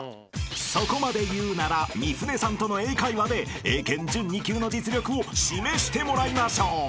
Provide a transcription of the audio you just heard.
［そこまで言うなら三船さんとの英会話で英検準２級の実力を示してもらいましょう］